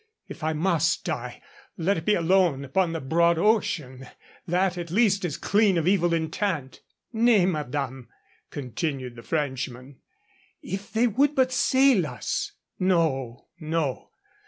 If I must die, let it be alone upon the broad ocean. That at least is clean of evil intent." "Nay, madame," continued the Frenchman. "If they would but sail us " "No, no.